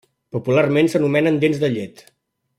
Popularment s'anomenen dents de llet.